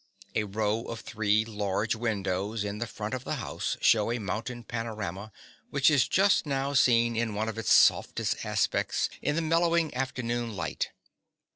A row of three large windows in the front of the house shew a mountain panorama, which is just now seen in one of its softest aspects in the mellowing afternoon light.